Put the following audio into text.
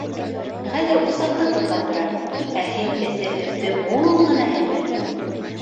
— Хәҙер усаҡты тоҡандырам, ә һин эҫе һөттө мул ғына һемер.